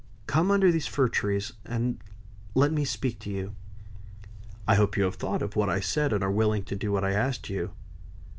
Come under these fir trees, and let me speak to you." "I hope you have thought of what I said, and are willing to do what I asked you."